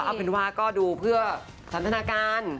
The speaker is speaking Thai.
เอาเป็นว่าก็ดูเพื่อสันทนาการ